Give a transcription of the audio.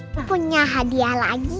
aku punya hadiah lagi